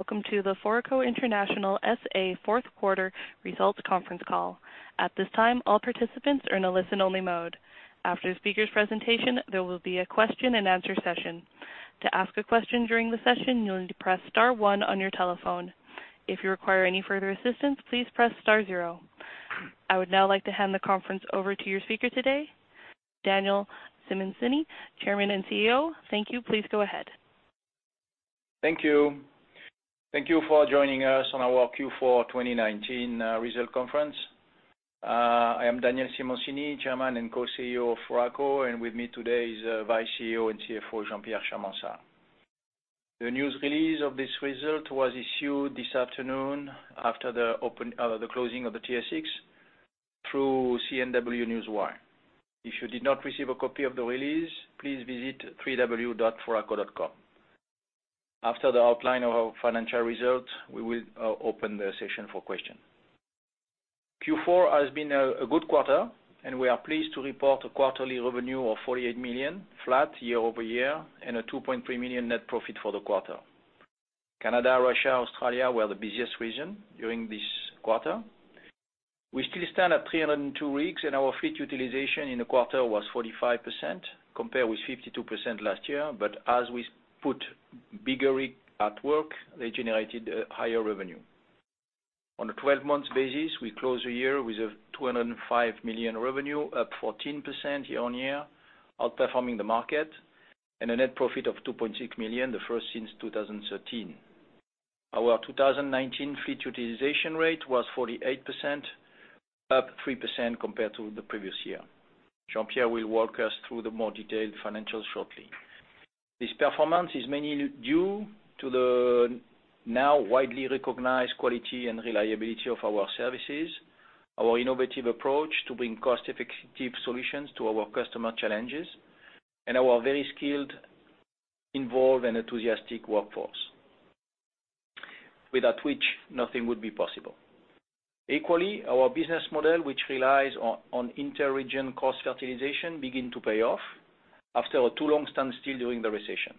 Welcome to the Foraco International SA Fourth Quarter Results Conference Call. At this time, all participants are in a listen-only mode. After the speaker's presentation, there will be a question-and-answer session. To ask a question during the session, you'll need to press star one on your telephone. If you require any further assistance, please press star zero. I would now like to hand the conference over to your speaker today, Daniel Simoncini, Chairman and CEO. Thank you. Please go ahead. Thank you. Thank you for joining us on our Q4 2019 Results Conference. I am Daniel Simoncini, Chairman and Co-CEO of Foraco, and with me today is Vice CEO and CFO, Jean-Pierre Charmensat. The news release of this result was issued this afternoon after the closing of the TSX through CNW NewsWire. If you did not receive a copy of the release, please visit www.foraco.com. After the outline of our financial result, we will open the session for questions. Q4 has been a good quarter, and we are pleased to report a quarterly revenue of $48 million, flat year-over-year, and a $2.3 million net profit for the quarter. Canada, Russia, and Australia were the busiest regions during this quarter. We still stand at 302 rigs, and our fleet utilization in the quarter was 45%, compared with 52% last year. But as we put bigger rigs at work, they generated higher revenue. On a 12-month basis, we closed the year with $205 million revenue, up 14% year-over-year, outperforming the market, and a net profit of $2.6 million, the first since 2013. Our 2019 fleet utilization rate was 48%, up 3% compared to the previous year. Jean-Pierre will walk us through the more detailed financials shortly. This performance is mainly due to the now widely recognized quality and reliability of our services, our innovative approach to bring cost-effective solutions to our customer challenges, and our very skilled, involved, and enthusiastic workforce. Without which, nothing would be possible. Equally, our business model, which relies on inter-region cost fertilization, began to pay off after a too long standstill during the recession.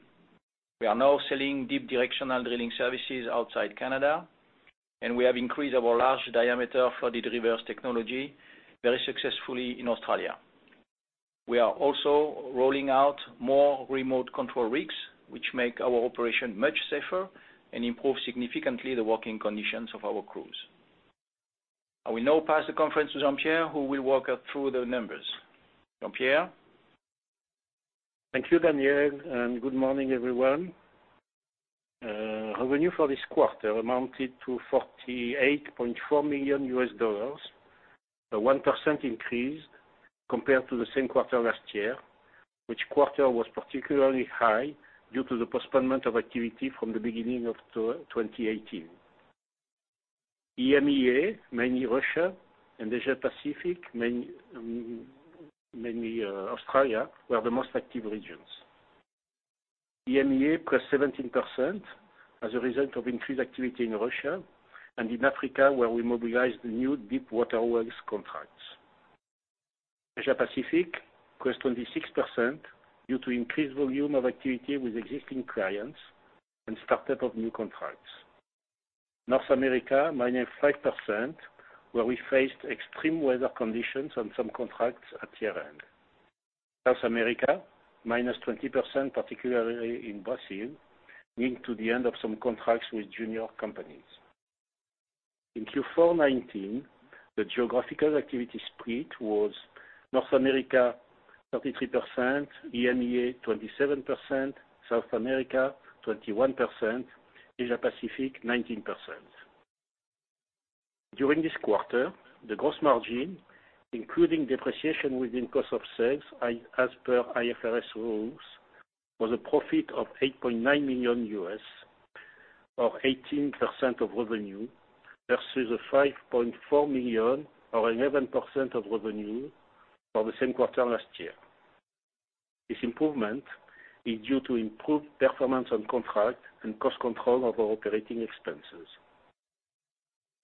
We are now selling deep directional drilling services outside Canada, and we have increased our large-diameter flooded reverse technology very successfully in Australia. We are also rolling out more remote control rigs, which make our operation much safer and improve significantly the working conditions of our crews. I will now pass the conference to Jean-Pierre, who will walk us through the numbers. Jean-Pierre? Thank you, Daniel, and good morning, everyone. Revenue for this quarter amounted to $48.4 million, a 1% increase compared to the same quarter last year, which quarter was particularly high due to the postponement of activity from the beginning of 2018. EMEA, mainly Russia, and Asia-Pacific, mainly Australia, were the most active regions. EMEA plus 17% as a result of increased activity in Russia and in Africa, where we mobilized new deep water works contracts. Asia-Pacific, plus 26% due to increased volume of activity with existing clients and startup of new contracts. North America, minus 5%, where we faced extreme weather conditions on some contracts at year-end. South America, minus 20%, particularly in Brazil, leading to the end of some contracts with junior companies. In Q4 2019, the geographical activity split was North America 33%, EMEA 27%, South America 21%, Asia-Pacific 19%. During this quarter, the gross margin, including depreciation within cost of sales, as per IFRS rules, was a profit of $8.9 million, or 18% of revenue, versus $5.4 million, or 11% of revenue, for the same quarter last year. This improvement is due to improved performance on contract and cost control of our operating expenses.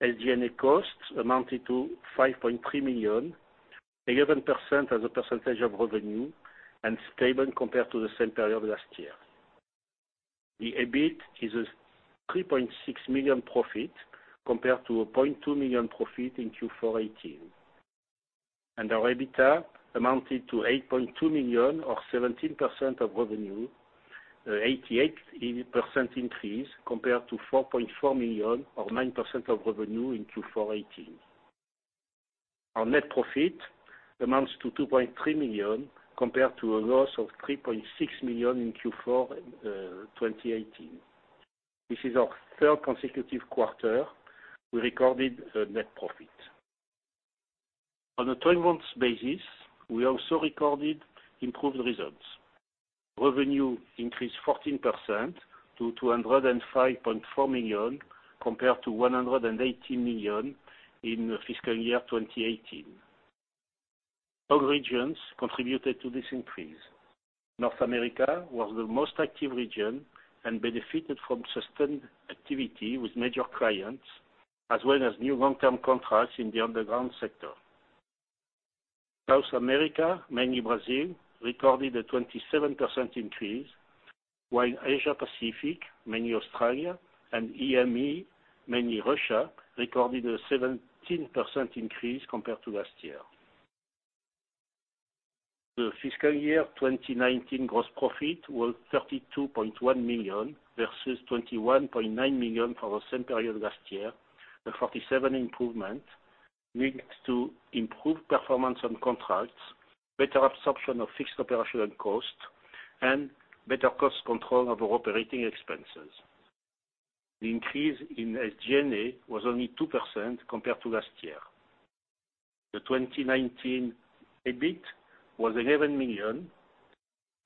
SG&A costs amounted to $5.3 million, 11% as a percentage of revenue, and stable compared to the same period last year. The EBIT is a $3.6 million profit compared to a $0.2 million profit in Q4 2018. Our EBITDA amounted to $8.2 million, or 17% of revenue, an 88% increase compared to $4.4 million, or 9% of revenue, in Q4 2018. Our net profit amounts to $2.3 million compared to a loss of $3.6 million in Q4 2018. This is our third consecutive quarter we recorded net profit. On a 12-month basis, we also recorded improved results. Revenue increased 14% to $205.4 million compared to $118 million in the fiscal year 2018. All regions contributed to this increase. North America was the most active region and benefited from sustained activity with major clients, as well as new long-term contracts in the underground sector. South America, mainly Brazil, recorded a 27% increase, while Asia-Pacific, mainly Australia, and EMEA, mainly Russia, recorded a 17% increase compared to last year. The fiscal year 2019 gross profit was $32.1 million versus $21.9 million for the same period last year, a 47% improvement, leading to improved performance on contracts, better absorption of fixed operational costs, and better cost control of our operating expenses. The increase in SG&A was only 2% compared to last year. The 2019 EBIT was $11 million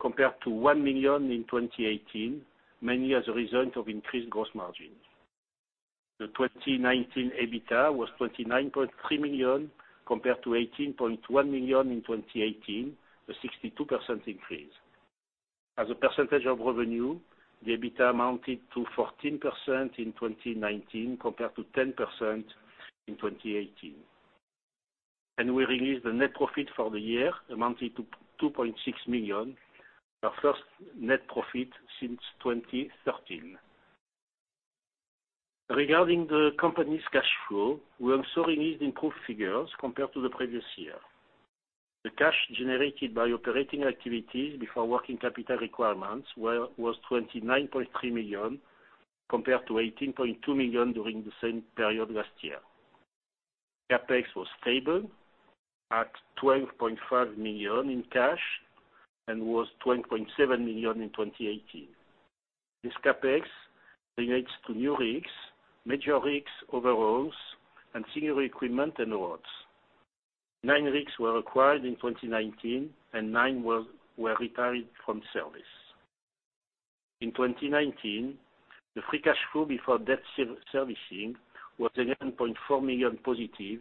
compared to $1 million in 2018, mainly as a result of increased gross margin. The 2019 EBITDA was $29.3 million compared to $18.1 million in 2018, a 62% increase. As a percentage of revenue, the EBITDA amounted to 14% in 2019 compared to 10% in 2018. We released the net profit for the year, amounting to $2.6 million, our first net profit since 2013. Regarding the company's cash flow, we also released improved figures compared to the previous year. The cash generated by operating activities before working capital requirements was $29.3 million compared to $18.2 million during the same period last year. Capex was stable at $12.5 million in cash and was $12.7 million in 2018. This capex relates to new rigs, major rigs, overhauls, and ancillary equipment and rods. Nine rigs were acquired in 2019, and nine were retired from service. In 2019, the free cash flow before debt servicing was $11.4 million positive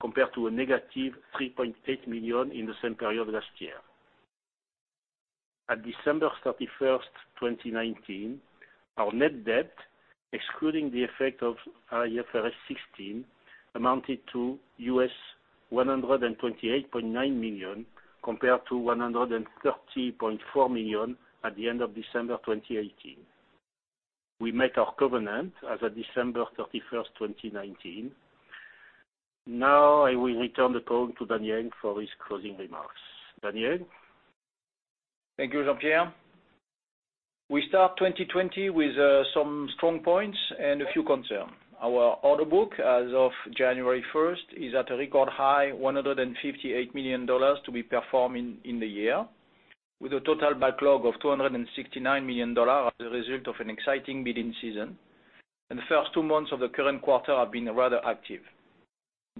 compared to a negative $3.8 million in the same period last year. At December 31, 2019, our net debt, excluding the effect of IFRS 16, amounted to $128.9 million compared to $130.4 million at the end of December 2018. We met our covenant as of December 31, 2019. Now, I will return the call to Daniel for his closing remarks. Daniel? Thank you, Jean-Pierre. We start 2020 with some strong points and a few concerns. Our order book as of January 1 is at a record high, $158 million to be performed in the year, with a total backlog of $269 million as a result of an exciting bidding season. The first two months of the current quarter have been rather active.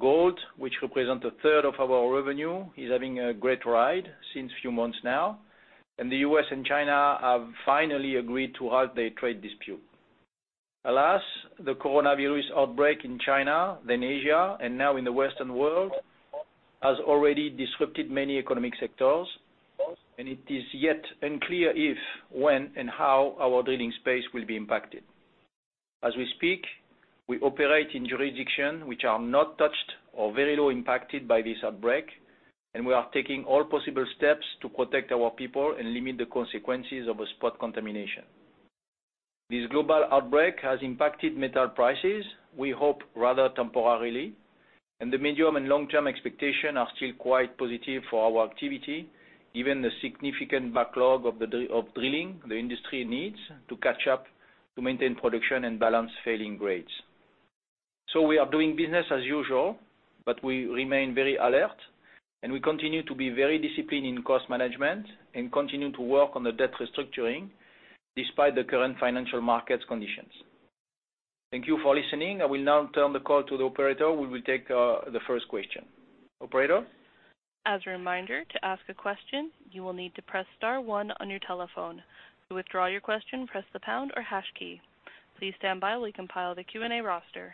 Gold, which represents a third of our revenue, is having a great ride since a few months now, and the U.S. and China have finally agreed to halt their trade dispute. Alas, the coronavirus outbreak in China, then Asia, and now in the Western world has already disrupted many economic sectors, and it is yet unclear if, when, and how our drilling space will be impacted. As we speak, we operate in jurisdictions which are not touched or very low impacted by this outbreak, and we are taking all possible steps to protect our people and limit the consequences of spot contamination. This global outbreak has impacted metal prices, we hope rather temporarily, and the medium and long-term expectations are still quite positive for our activity, given the significant backlog of drilling the industry needs to catch up to maintain production and balance falling grades. So we are doing business as usual, but we remain very alert, and we continue to be very disciplined in cost management and continue to work on the debt restructuring despite the current financial markets conditions. Thank you for listening. I will now turn the call to the operator who will take the first question. Operator? As a reminder, to ask a question, you will need to press star one on your telephone. To withdraw your question, press the pound or hash key. Please stand by while we compile the Q&A roster.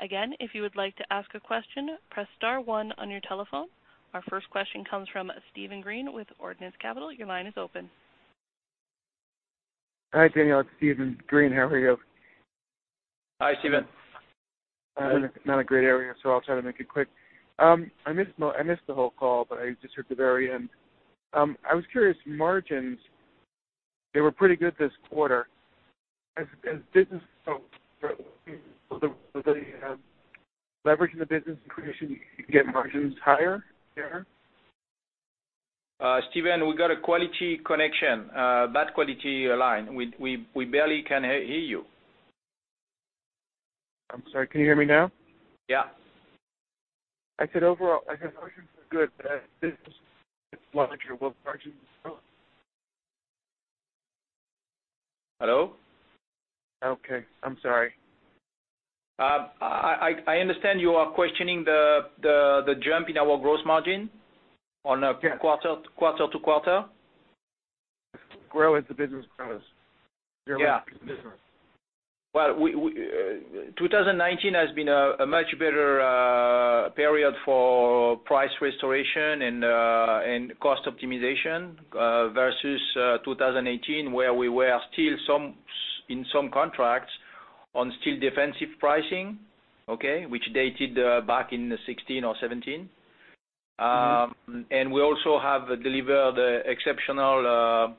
Again, if you would like to ask a question, press star one on your telephone. Our first question comes from Steven Green with Orleans Capital. Your line is open. Hi, Daniel. It's Steven Green. How are you? Hi, Steven. Not a great area, so I'll try to make it quick. I missed the whole call, but I just heard the very end. I was curious, margins, they were pretty good this quarter. Is this leveraging the business in case you get margins higher? Steven, we got a quality connection, bad quality line. We barely can hear you. I'm sorry. Can you hear me now? Yeah. I said overall, I said margins are good, but this margin is low. Hello? Okay. I'm sorry. I understand you are questioning the jump in our gross margin on quarter to quarter. Grow as the business grows. Yeah. Grow as the business. Well, 2019 has been a much better period for price restoration and cost optimization versus 2018, where we were still in some contracts on still defensive pricing, okay, which dated back in 2016 or 2017. And we also have delivered exceptional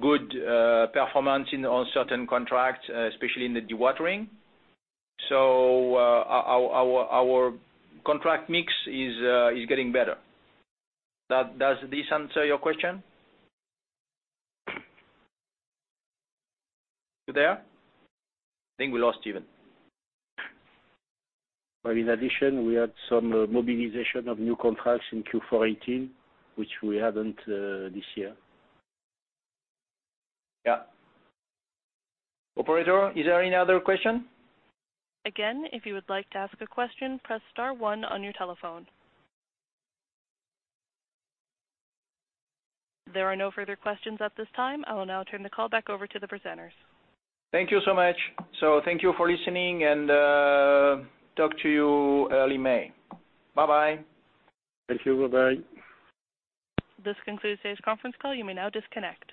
good performance on certain contracts, especially in the dewatering. So our contract mix is getting better. Does this answer your question? You there? I think we lost Steven. Well, in addition, we had some mobilization of new contracts in Q4 2018, which we hadn't this year. Yeah. Operator, is there any other question? Again, if you would like to ask a question, press star one on your telephone. There are no further questions at this time. I will now turn the call back over to the presenters. Thank you so much. So thank you for listening, and talk to you early May. Bye-bye. Thank you. Bye-bye. This concludes today's conference call. You may now disconnect.